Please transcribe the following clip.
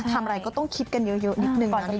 ทำอะไรก็ต้องคิดกันเยอะนิดนึงนะในยุคนี้